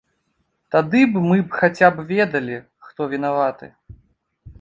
Тады б мы б хаця б ведалі, хто вінаваты.